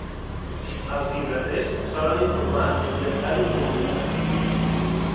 Els llibreters solen informar mitjançant un comunicat.